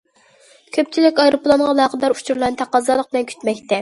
كۆپچىلىك ئايروپىلانغا ئالاقىدار ئۇچۇرلارنى تەقەززالىق بىلەن كۈتمەكتە.